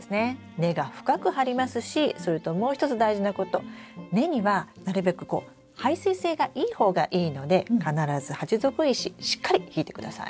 根が深く張りますしそれともう一つ大事なこと根にはなるべくこう排水性がいい方がいいので必ず鉢底石しっかりひいてください。